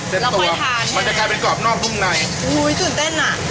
ไม่ทันมันจะกลายเป็นกรอบนอกนุ่มในอุ้ยตื่นเต้นอ่ะ